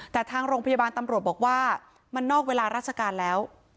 แต่ทางโรงพยาบาลตำรวจบอกว่ามันนอกเวลาราชการแล้ว